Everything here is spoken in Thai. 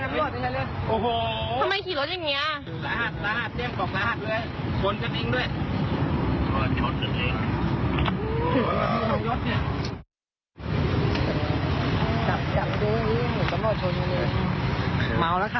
ใช่ครับเขากำลังเคียงให้กับสำรวจ